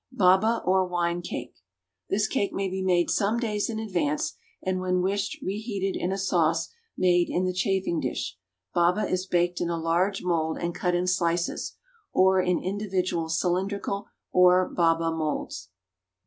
=Baba or Wine Cake.= This cake may be made some days in advance, and when wished reheated in a sauce made in the chafing dish. Baba is baked in a large mould and cut in slices, or in individual cylindrical or baba moulds.